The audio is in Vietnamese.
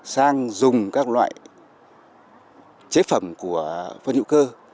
sang dùng các loại chế phẩm của phân hữu cơ